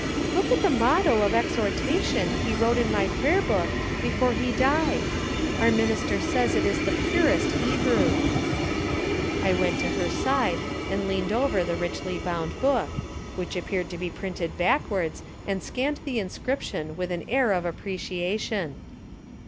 "Look at the motto of exhortation he wrote in my prayer book before he died. Our minister says it is in the purest Hebrew." I went to her side and leaned over the richly bound book, which appeared to be printed backwards, and scanned the inscription with an air of appreciation.